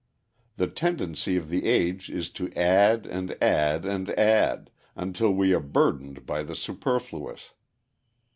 The tendency of the age is to add and add and add, until we are burdened by the superfluous.